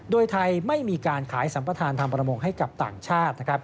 โดยไทยไม่มีการขายสัมประธานทำประมงให้กับต่างชาติ